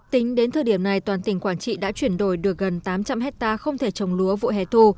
tính đến thời điểm này toàn tỉnh quảng trị đã chuyển đổi được gần tám trăm linh hectare không thể trồng lúa vụ hè thu